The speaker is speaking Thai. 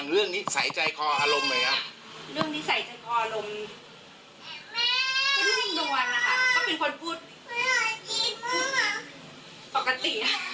เรื่องนิสัยใจคออาลมก็นุ้มนวลนะครับเขาเป็นคนพูดปกติ